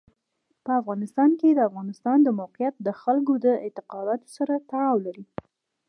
په افغانستان کې د افغانستان د موقعیت د خلکو د اعتقاداتو سره تړاو لري.